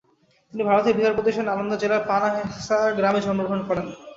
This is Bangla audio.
তিনি ভারতের বিহার প্রদেশের নালন্দা জেলার পানাহেসা গ্রামে জন্মগ্রহণ করেন।